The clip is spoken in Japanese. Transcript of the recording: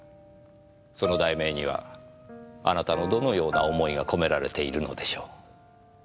その題名にはあなたのどのような思いが込められているのでしょう。